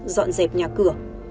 dọn dẹp nhà cửa